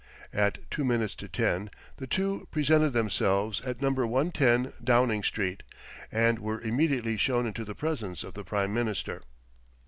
At two minutes to ten, the two presented themselves at No. 110, Downing Street, and were immediately shown into the presence of the Prime Minister.